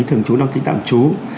thường trú đăng ký tạm trú